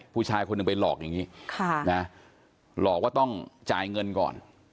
ผู้ชายคนหนึ่งไปหลอกอย่างนี้หลอกว่าต้องจ่ายเงินก่อน